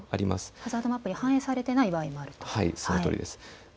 ハザードマップに反映されていない場合があるということですね。